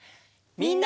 みんな！